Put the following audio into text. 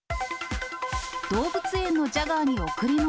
動物園のジャガーに贈り物。